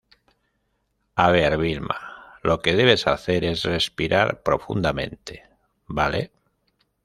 a ver, Vilma, lo que debes hacer es respirar profundamente, ¿ vale?